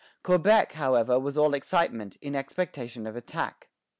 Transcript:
Quebec, however, was all excitement, in expectation of attack.